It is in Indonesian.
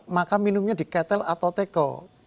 maka minumnya di ketel atau teko